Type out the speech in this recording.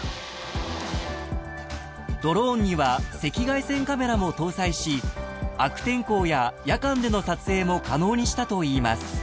［ドローンには赤外線カメラも搭載し悪天候や夜間での撮影も可能にしたといいます］